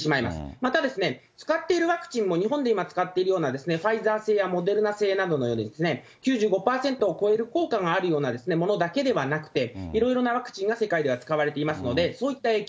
またですね、使っているワクチンも、日本で今、使っているようなファイザー製やモデルナ製のように、９５％を超える効果があるようなものだけではなくて、いろいろなワクチンが世界では使われていますので、そういった影響。